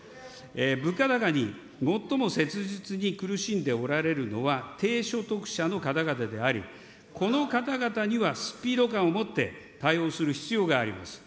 物価高に最も切実に苦しんでおられるのは、低所得者の方々であり、この方々には、スピード感を持って対応する必要があります。